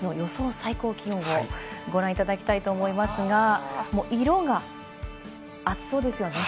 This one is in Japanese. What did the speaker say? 最高気温をご覧いただきたいと思いますが、色が暑そうですよね。